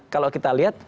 kalau kita lihat